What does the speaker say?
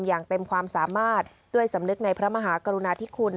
อย่างเต็มความสามารถด้วยสำนึกในพระมหากรุณาธิคุณ